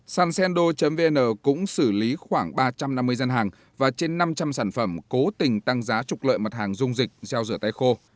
sansendo vn cũng xử lý khoảng ba trăm năm mươi gian hàng và trên năm trăm linh sản phẩm cố tình tăng giá trục lợi mặt hàng dung dịch gel rửa tay khô